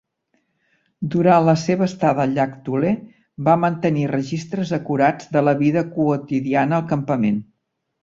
Durant la seva estada al llac Tule, va mantenir registres acurats de la vida quotidiana al campament.